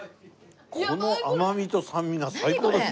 この甘みと酸味が最高ですね。